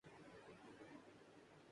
وہ اپنی جگہ قائم رہتا ہے۔